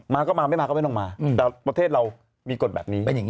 มาก็มาไม่มาก็ไม่ต้องมาแต่ประเทศเรามีกฎแบบนี้